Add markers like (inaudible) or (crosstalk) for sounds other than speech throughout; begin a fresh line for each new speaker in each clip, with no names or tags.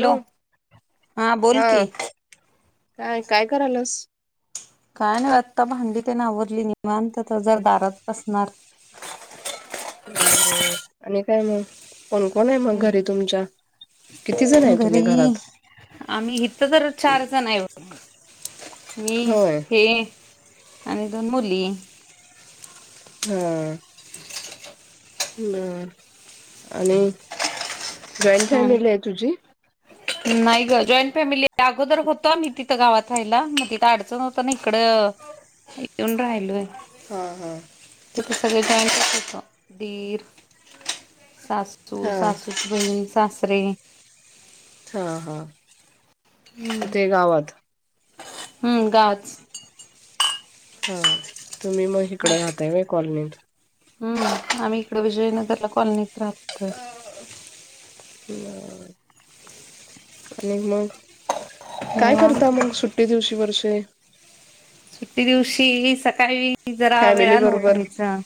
Hello, हा बोल की
काय काय कराल्यास?
काय नाई ब आता भांडी तेन आवरली निवांत आता जरा दारात बसणार.
बर आणि काय नई. किती जण
हम्
आहे
घरी
तुम्ही घरात
आम्ही इथं तर चार जण आय बघ मी
होय
हे आणि दोन मुली.
हां, हम्म आणि जॉईंट
आणि
फॅमिली हाय तुझी?
नाही गं, जॉईंट फॅमिली त्या अगोदर होतं मी तथं गावात राहिला, म तिथं आडचण होताना इकडं यून राहिलोय.
हां-हां
तिथे सगळे (unintelligible) दीर सासू,
हा
सासूची बहीण, सास त्रेणी
हां-हां तीथे गावात.
हम्म गावच.
हां तुम्ही म हीकडं राहाताय होय कॉलनीत.
हम्म, आम्ही इकडे विजयनगरला कॉलनीत राहत
(unintelligible) म आणि मग. काय
निवांत
करता मंग सुट्टी दिवशी? वर्ष ते
सुट्टी दिवशी सकाळी कि जरा
फॅमिली
वेळानं
बरोबर
उठायचं.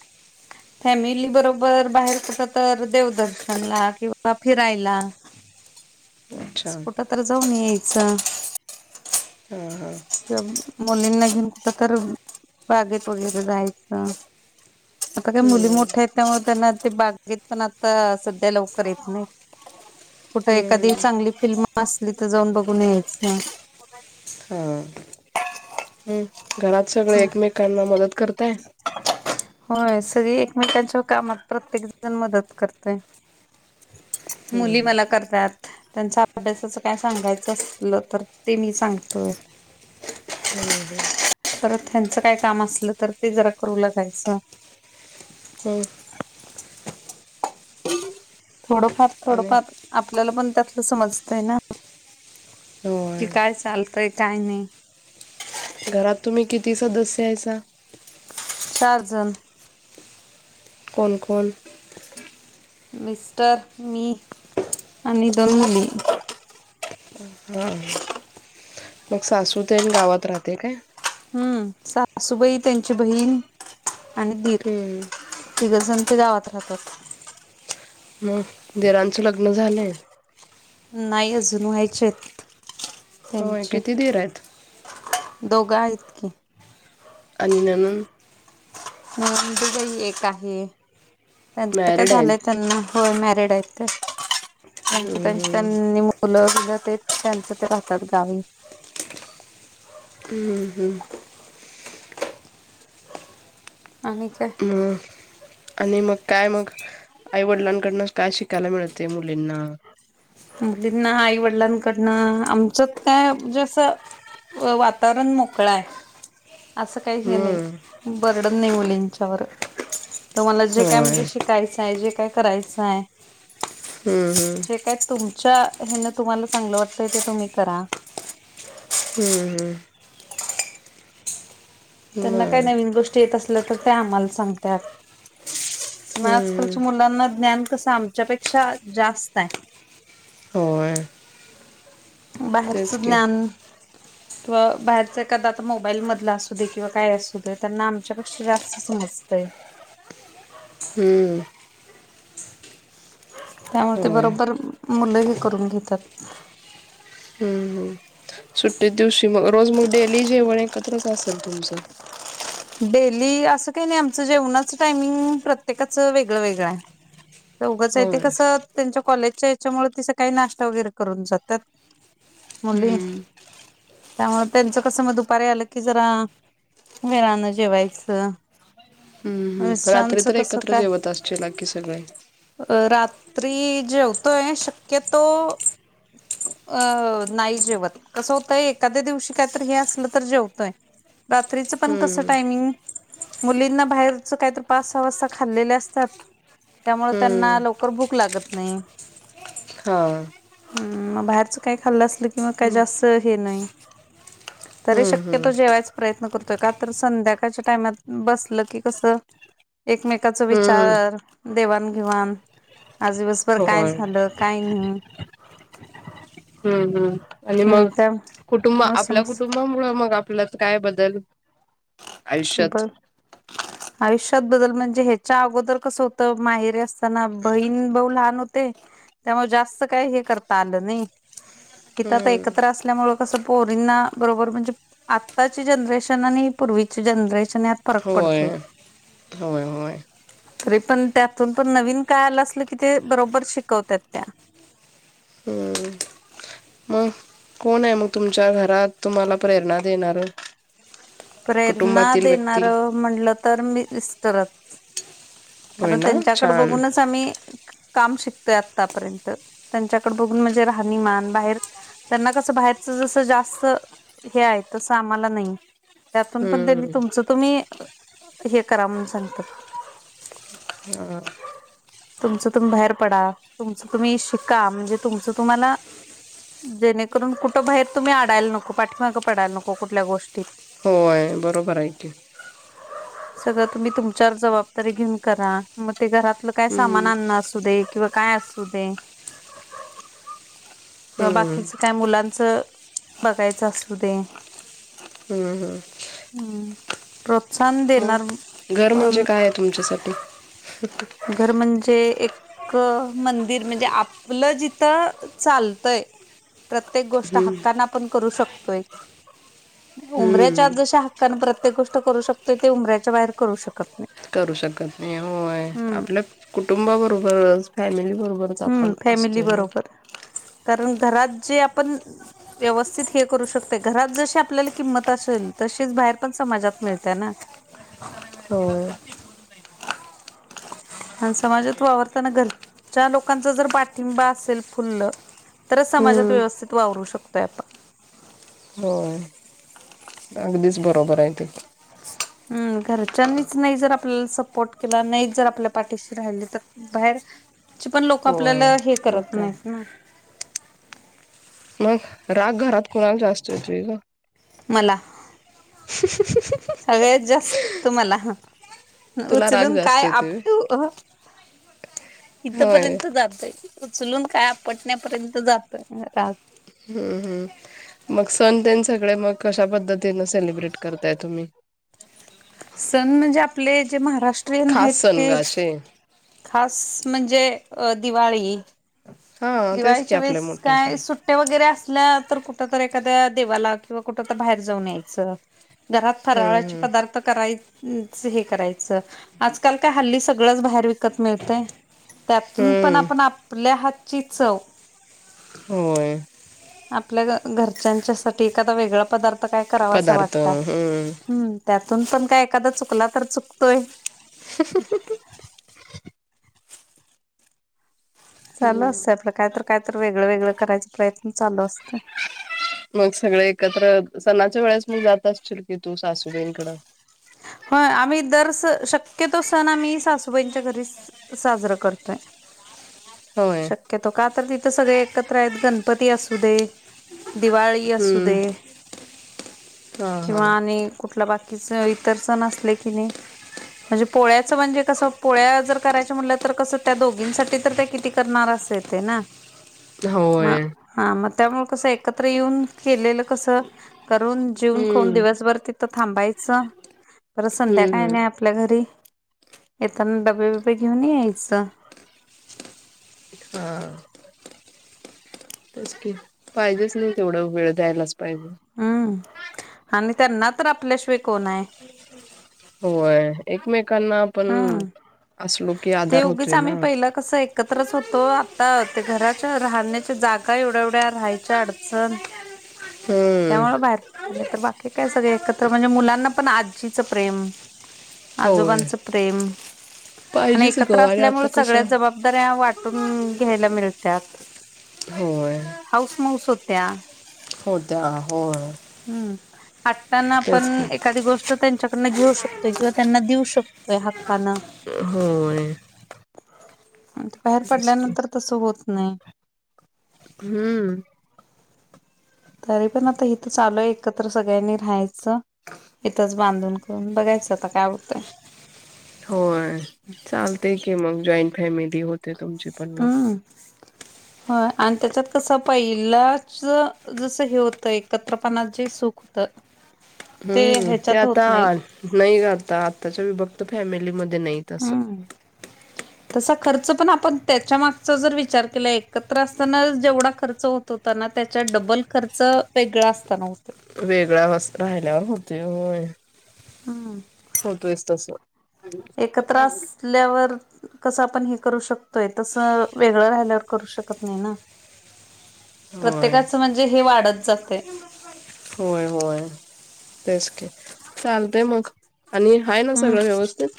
फॅमिली बरोबर, बाहेर कुठं तर, देवदर्शनला किंवा फिरायला.
अच्छा
अस् कुठं
हा
तर जाऊन याय चं मुलींना घेऊन कुठं तर बागेत वगैरे जायचं. आता काय मुली
हम्म
मोठ्या आहेत त्यामुळे त्यांना ते बागेत पण आता सध्या लवकर येत नईत. कुठं एखादी
हम्म
चांगली फिल्म असली त जाऊन बघून यायचं.
हा हम्म घरात सगळे एकमेकांना मदत करताय?
होय, सगळी एकमेकांच्या कामात प्रत्येक जण मदत करतय. मुली
हम्म,
मला करतात. त्यांचा अभ्यासाचं काय सांगायचं असलं तर ते मी सांगतोय.
हम्-हम्
परत हेंचं काय काम असलं तर ते जरा करू लागायचं.
हम्म
थोडंफार
आणि
थोडंफार आपल्याला पण त्यात समजतय ना? की
होय
काय चाल तय काय नाही
घरात तुम्ही किती सदस्य हाईसा?
चारजण.
कोण, कोण?
मिस्टर, मी आणि दोन मुली.
हा, हा. मग सासू तेन गावात राहते काय?
हम्म, सासूबाई त्यांची बहीण
हम्म.
तिघजन ते गावात राहतात.
मग दिरां च लग्न झालंय?
नाही अजुन व्हायचेत
होय, किती दिर आहेत?
दोघं हाइत की.
आणि ननंद?
नंदूबाई एक आहे. त्यांच काय
मॅरिड
झालंय?
आहेत
त्यांना होय मॅ रीड हाईत काय? त्यांची, त्यांची त्यांनी मुलं (unintelligible) हाइत. त्यांचं ते राहतात गावी.
हम्म, हम्म.
आणि काय?
मग आणि मग काय मग आई वडिलांकडूनं काय शिकायला मिळतंय मुलींना?
मुलींना आई वडिलांकडनं आमच्यात काय जे असं वातावरण मोकळ आहे. असं काही हे
हम्म
नाही बर्डन नाही मुलीं च्यावर तुम्हाला जे काय
होय
म्हणजे शिकायचं आहे जे काय करायचं हाय
हम्म, हम्म.
तुमच्या हेन तुम्हाला चांगलं वाटत ते तुम्ही करा
हम्म, हम्म. हम्म
त्यांना काय
बर
नवीन गोष्टी येत अस तर ते आम्हाला सांगतात. आज
हम्म हम्म
कालच्या मुलांना ज्ञान कसं आमच्यापेक्षा जास्त आहे.
होय
बाहेरच
तेच की
ज्ञान किंवा बाहेरच एखादा आता मोबाईल मधलं असू दे किंवा काय असू दे त्यांना आमच्या पेक्षा जास्त समजतंय.
हम्म.
त्यामुळे ते,
होय
बरोबर
हम्म
मुलंही करून घेतात.
हम्म सुट्टी दिवशी मग रोज मग, डेली जेवण एकत्रच असेल तुमचं.
डेली असं काही नाही आमचं जेवणाच टायमिंग, प्रत्येकाचं वेगळं वेगळं हाय. चवघच आहे ते
होय.
कसं त्यांच्या कॉलेजच्या हेचा मुळे सकाळी नाश्ता वगैरे करून जातात्या. मुली
हम्म
त्यामुळे त्यांच कस मग दुपारी आलं की जरा वेळान, जेवायचं,
रात्री
मिस्टरांचं
तर
कसं
एकत्र
काय
जेवत असचीला की सगळी.
रात्री जेवतोय शक्यतो, अ.. नाही जेवत कस होतय एखाद्या दिवशी कायतर हे असलं तर जेवतोय रात्रीच पण कस
हम्म
टाईमींग मुलींना बाहेरच काहीत पाच सहा वाजता खाल्लेल असतात. त्यामुळे त्यांना
हम्म.
लवकर भूक लागत नाही.
हा
बाहेरच काही खाल्लं असलं किं काही जास्त हे नाही तरी
हम्म हम्म
शक्यतो जेवायचा प्रयत्न करतोय का तर संध्याकाळच्या टायमात बसलं की, कस एकमेकाच
हम्म
विचार देवाणघेवाण आज दिव भर काय
होय
झालं, काय नाही. (inaudible)
हम्म हम्म आणि
हम्म
मग
त्या
कुटुंब,
म
आपल्या
समस
कुटुंबामुळे मग आप आपल्यात काय बदल. आयुष्यात.
बर आयुष्यात बद्दल म्हणजे हेच्या अगोदर कसं होतं, माहेरीे असताना बहीण भाऊ लहान होते. त्यामुळे जास्त काय हे करता आलं नाही. इथं आता
हम्म.
एकत्र असल्यामुळे कस पोरींना बरोबर म्हणजे आत्ताची जनरेशन आणि, पूर्वीचे जनरेशन यात फरक
होय
पडतोय.
होय होय
तरी पण त्यातून पण नवीन काय आलं असल की ते बरोबर शिकवत्यात त्या.
हम्म मग कोण आहे मग, तुमच्या घरात तुम्हाला प्रेरणा देणार.
प्रेरणा
कुटुंबातील व्यक्ती
देणार म्हटलं तर मी तरचं
होय
कारण
ना
त्यांच्याकडे
छान
बघूनच आम्ही. काम शिकतोय आतापर्यंत, त्यांच्याकड बघून म्हणजे राहणीमान बाहेर त्यांना कसं बाहेरच जसं जास्त हे आहे तसं आम्हाला नाही. त्यातून पण त्यांनी
हम्म.
तुमचं. तुम्ही हे करा म्हणून सांगतात. तुमचं तुम्ही बाहेर पडा. तुमचं तुम्ही शिका म्हणजे तुमचं तुम्हाला जेणेकरून, कुठं बाहेर तुम्ही अडायला नको पाठीमागं पडायला नको कुठल्या गोष्टीत.
होय बरोबर आहे की.
सगळं तुम्ही तुमच्यावर जबाब तरी घेऊन करा. मग ते घरातलं काय सामान
हम्म.
आणण असू दे किंवा काय असू दे. अ
हम्म.
बाकीच काय मुलांन च बघायचं असू दे.
हम्म, हम्म.
हम्म प्रोत्साहन देणार.
मग घर म्हणजे
पण
काय आहे तुमच्यासाठी?
क मंदिर म्हणजे, आपलं जिथं चालतय. प्रत्येक गोष्ट
हम्म.
हक्कान आपण करू शकतो. (unintelligible) उमऱ्याच्या आत
हम्म.
जशी, कारण प्रत्येक गोष्ट करू शकतोय. ते उमऱ्याच्या बाहेर करू शकत, नाही
करू शकत नाही. होय..
हम्म
आपल्या कुटुंबावर (unintelligible) फॅमिली बरोबरच
हम्म
आपण
फॅमिली
असतोय नय
बरोबर कारण घरात जे आपण व्यवस्थित हे करू शकतोय घरात जशी आपल्याला किंमत असेल तशीच बाहेर पण समाजात मिळते ना
होय.
आणि समाजात वावरताना घर च्या लोकांचा जर पाठिंबा असेल फुल्ल तरच समाजात
हम्म.
व्यवस्थित वावरू शकतोय आपण
होय. अगदीच बरोबर आहे ते
हं घरच्यांनीच नाही जर आपल्याला सपोर्ट केला नाहीच जर आपल्या पाठीशी राहिली तर बाहेरची पण लोक
होय.
आपल्याला हे
मग
करत
काय?
नाहीत ना
मग राग घरात कुणाला जास्त येतोय गं
मला सगळ्यात जास्त मला
तुला राग
उचलून काय
जास्त येतोय
आपटू
व्हय?
अह
होय.
इथपर्यंत जातय. उचलून काय आपटण्यापर्यंत जातोय राग
हूं हूं मग सण तेन सगळे मग कशा पद्ध तीन सेलिब्रेट करताय तुम्ही
सण म्हणजे आपले जे महाराष्
खास सण ग अशे
खास म्हणजे अ दिवाळी
हा तेच की
दिवाळीच्या
आपले
वेळेस
मोठे
काय
सण
सुट्ट्या वगैरे असला तर कुठ तर एखाद्या देवाला किंवा कुठं तर बाहेर जाऊन याय चला घरात फराळाचे
हम्म
पदार्थ कराय अ हे करायचं आजकाल काय हल्ली सगळंच बाहेर विकत मिळतय. त्यातून पण
हम्म
आपण आपल्या हात ची चव
होय
आपल्या घ घरच्यांच्या साठी एखादा वेगळा पदार् काय करावा हा
पदार्थ
वाटला
हम्म
हूं त्यात तून पण काय एखादा चुकला तर चुकतोय.
(unintelligible)
चालू असतय आपलं काय तर काय तर वेगळं वेगळं करायच प्रयत्न चालू असतोय.
तू जात अशील की तू सासूबाईंकडं
होय आम्ही दर स शक्यतो सण आम्ही सासूबाईंच्या घरी साजर करतोय.
होय
शक्यतो का तर तित तिथ सगळे एकत्र आहेत गणपती असू दे दिवाळी असू
हम्म
दे
हा
किंवा
हा
आणि कुठला बा किसई तर सण असले की नाही म्हणजे पोळ्याच म्हणजे कसं पोळ्या जर करायच्या म्हटलं तर कसं त्या दोघींसाठी तर त्या किती करणार असे येते ना. म
होय.
हा मग त्यामुळे कसं एकत्र येऊन केलेलं कसं? करून जिवुन खाऊन
हम्म
दिवसभर तिथंच थांबायचं. पर संध्या काय
हम्म हम्म
नाही आपल्या घरी. येताना डबे बबे घेऊन यायचं.
हा. तेच की पाहिजेच नाही तेवढं वेळ द्यायलाच. पाहिजे
हम्म. आणि त्यांना तर आपल्याशिवाय कोण आहे.
होय एक मेक
हम्म
की
ते
आधार
उगीच
होतोय
आम्ही
ना
पहिलं कसं एकत्रच होतो. आता ते घराच्या राहण्याच्या जागा एवढ्या एवढ्या, राहायच्या अडचण
हम्म
त्यामुळ बाहेर नेत तर बाकी काय सगळे एकत्र म्हणजे मुलांना पण आजीचं प्रेम
होय
आजोबांच प्रेम, आणि
पाहिजेच
एकत्र
ग आणि आता
असल्यामुळं सगळ्या
कसं
जबाबदाऱ्या वाटून हम्म घ्यायला मिळत्यात.
होय.
मौस हुत्या.
हुत्या होय.
हम्म. आत्ताना आपण
तेच की
एखादी गोष्ट त्यांच्या कडनं घेऊ शकतोय किंवा त्यांना देऊ शकतोय हा
होय.
बाहेर
तेच की
पडल्यानंतर तसं होत नाही.
हम्म.
तरी पण आता इथंच आलोय एकत्र सगळ्यांनी राहायचं, इथच बांधून करून बघायचं आता काय होतंय.
होय, चालतेय की मग जॉईंट फॅमिली होते. तुमचे पण म.
हो. आणि त्याच्यात कसं पहिलाच जसं हे होतं एकत्रपनात जे सुख होतं. ते
हम्म ते
ह्याच्यात
आता
होत नाही
नाही ग आता च्या विभक्त फॅमिलीमध्ये नाही तसं.
हम्म. तसा खर्च पण आपण त्याच्या मागचा जर विचार केला एकत्र असताना जेवढा खर्च होत होता ना त्याच्यात डबल खर्च वेगळा असताना होतोय.
वेगळ्यावस् राहिल्याव होतेय होय.
हम्
होतोयस तसं.
एकत्र असल्यावर कसं आपण हे करू शकतोय तसं वेगळं राहिल्यावर करू शकत नाही ना.
होय,
प्रत्येकाचं म्हणजे हे वाढत जातय.
होय-होय तेच की. चालतंय मग. आणि, हाय ना सगळं व्यवस्थित?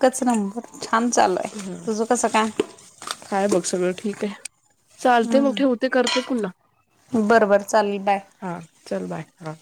कच नंबर छान चालू आहे
हम्,
तुझं कसं काय?
हाय बघ सगळं ठीक हे. चालते मग
हम्म.
ठेवते करते पुन्हा.
बरं बरं चालेल बाय.
हां, चल बाय हां.